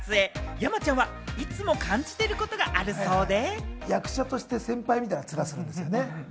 山ちゃんはいつも感じていることがあるそうで。